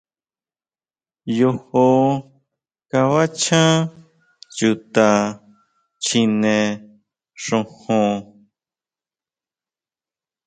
Yojo kabachan chuta chjine xojon.